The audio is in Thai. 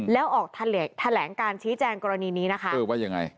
แล้วออกแถลงการชี้แจงกรณีนี้นะคะ